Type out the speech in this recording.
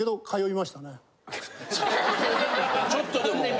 ちょっとでも。